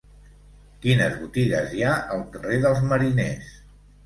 Quines botigues hi ha al carrer dels Mariners?